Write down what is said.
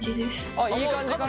あっいい感じかな？